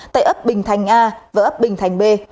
tại ấp bình thành a và ấp bình thành b